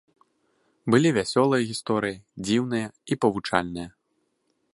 Былі вясёлыя гісторыі, дзіўныя і павучальныя.